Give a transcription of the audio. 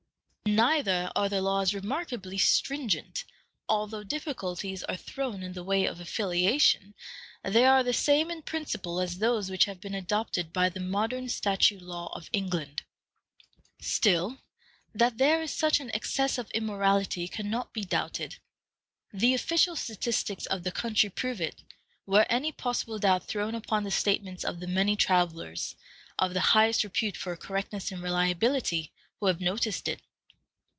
Neither are the laws remarkably stringent: although difficulties are thrown in the way of affiliation, they are the same in principle as those which have been adopted by the modern statute law of England. Still, that there is such an excess of immorality can not be doubted. The official statistics of the country prove it, were any possible doubt thrown upon the statements of the many travelers, of the highest repute for correctness and reliability, who have noticed it.